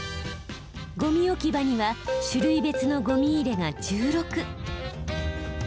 ゴミ置き場には種類別のゴミ入れが１６。